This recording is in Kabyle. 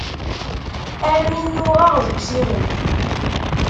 Armi nnuɣeɣ d usirem.